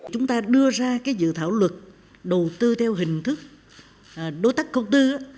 chúng ta đưa ra cái dự thảo luật đầu tư theo hình thức đối tác công tư